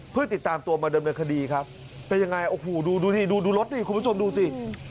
เพื่อติดตามตัวมาดำเนินคดีครับเป็นยังไงโอ้โหดูดูดิดูดูรถดิคุณผู้ชมดูสิ